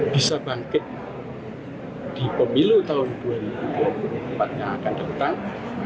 bisa bangkit di pemilu tahun dua ribu dua puluh empat yang akan datang